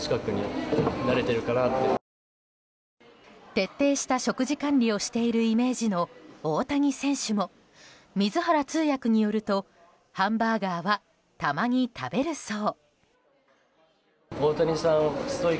徹底した食事管理をしているイメージの大谷選手も水原通訳によるとハンバーガーはたまに食べるそう。